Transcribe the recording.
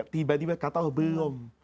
tiba tiba kata belum